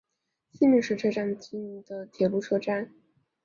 西明石车站所经营的铁路车站。